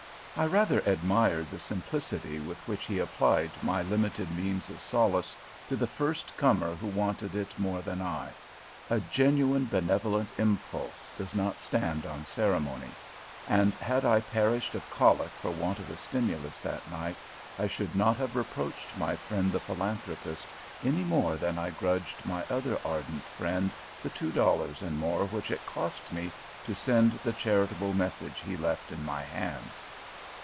I rather admired the simplicity with which he applied my limited means of solace to the first comer who wanted it more than I; a genuine benevolent impulse does not stand on ceremony, and had I perished of colic for want of a stimulus that night, I should not have reproached my friend the Philanthropist, any more than I grudged my other ardent friend the two dollars and more which it cost me to send the charitable message he left in my hands.